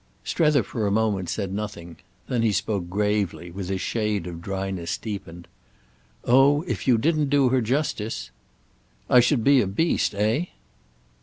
Strether for a moment said nothing; then he spoke gravely, with his shade of dryness deepened. "Oh if you didn't do her justice—!" "I should be a beast, eh?"